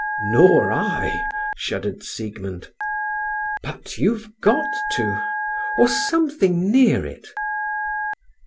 "Nor I," shuddered Siegmund. "But you've got to or something near it!"